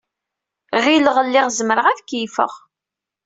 Ɣileɣ lliɣ zemreɣ ad keyyfeɣ.